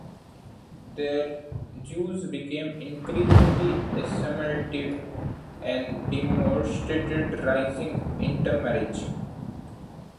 There, Jews became increasingly assimilated and demonstrated rising intermarriage.